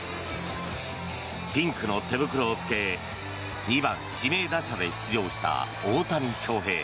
ピンクの手袋を着け２番指名打者で出場した大谷翔平。